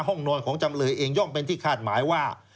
ห้องนอนของจำเลยเองย่อมเป็นที่คาดหมายว่า